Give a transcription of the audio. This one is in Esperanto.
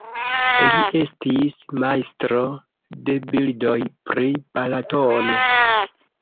Li estis majstro de bildoj pri Balatono.